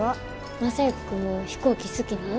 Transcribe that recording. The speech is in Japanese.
正行君も飛行機好きなん？